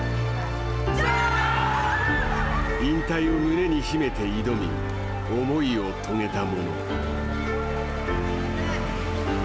引退を胸に秘めて挑み思いを遂げた者。